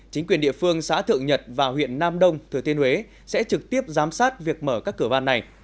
chính quyền địa phương xã thượng nhật và huyện nam đông thừa tiên huế sẽ trực tiếp giám sát việc mở các cửa van này